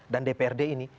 dan dprd ini